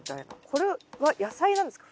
これは野菜なんですか？